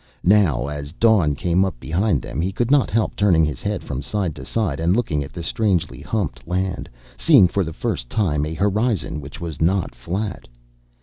Now, as dawn came up behind them, he could not help turning his head from side to side and looking at the strangely humped land, seeing for the first time a horizon which was not flat.